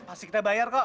pasti kita bayar kok